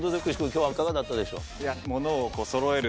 今日はいかがだったでしょう？